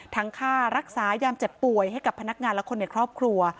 ค่ารักษายามเจ็บป่วยให้กับพนักงานและคนในครอบครัว